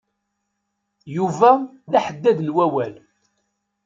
Yuba d aḥeddad n wawal.